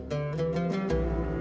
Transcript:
tahlilan itu biasa